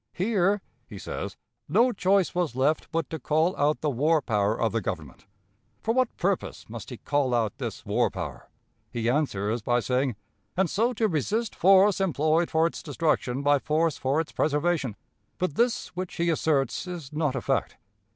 "Here," he says, "no choice was left but to call out the war power of the Government." For what purpose must he call out this war power? He answers, by saying, "and so to resist force employed for its destruction by force for its preservation." But this which he asserts is not a fact.